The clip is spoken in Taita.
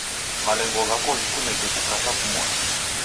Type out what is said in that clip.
Malengo ghako ghikuneke kukatwa kumoni.